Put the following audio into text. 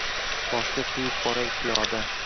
Boshga quyib boray piyoda